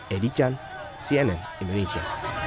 eddy chan cnn indonesia